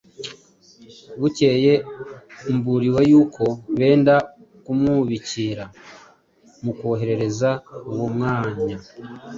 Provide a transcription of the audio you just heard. Bukeye mburiwe yuko benda kumwubikira, mukoherereza uwo mwanya